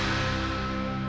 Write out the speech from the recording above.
yang besar akan segera terjadi